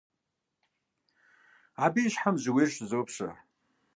Абы и щхьэм жьыуейр щызопщэ.